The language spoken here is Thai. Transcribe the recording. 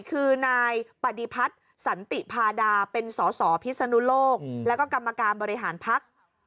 คือนายปฏิพัฒน์สันติพาดาเป็นสสพิศนุโลกแล้วก็กรรมการบริหารพัก